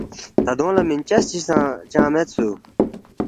تا دونگ لہ مِنچس چی سہ چنگ میدسُوک